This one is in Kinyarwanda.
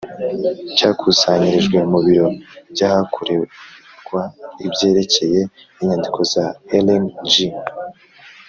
cyakusanyirijwe mu biro by’ahakorerwa ibyerekeye inyandiko za Ellen G.